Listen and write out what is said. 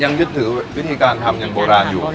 ยึดถือวิธีการทำยังโบราณอยู่